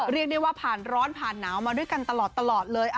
เรียกได้ว่าผ่านร้อนผ่านหนาวมาด้วยกันตลอดเลย